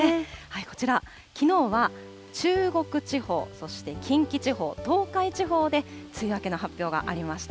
こちら、きのうは中国地方、そして近畿地方、東海地方で梅雨明けの発表がありました。